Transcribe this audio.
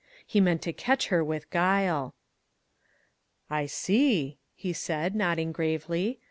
He meant to catch her with guile. " I see !" he said, nodding gravely.